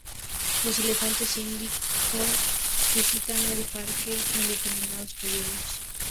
Los elefantes indios visitan el parque en determinados períodos.